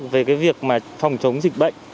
về cái việc mà phòng chống dịch bệnh